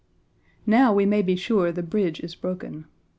Now we may be sure the bridge is broken.